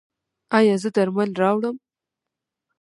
ایا زه درمل راوړم؟